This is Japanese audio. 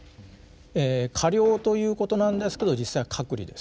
え加療ということなんですけど実際は隔離です。